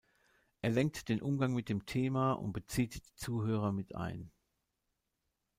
Er lenkt den Umgang mit dem Thema und bezieht die Zuhörer mit ein.